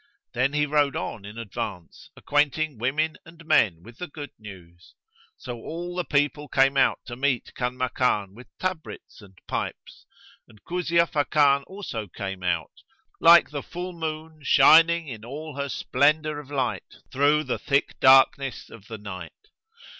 Then he rode on in advance, acquainting women and men with the good news; so all the people came out to meet Kanmakan with tabrets and pipes; and Kuzia Fakan also came out, like the full moon shining in all her splendour of light through the thick darkness of the night.